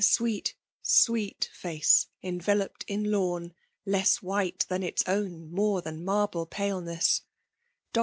: sweet, sweet face enveloped in lawn less whito than its own more than marble paleness, ^Di*.